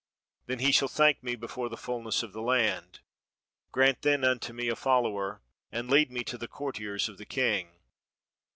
Then he shall thank me before the fullness of the land. Grant then unto me a follower, and lead me to the courtiers of the king.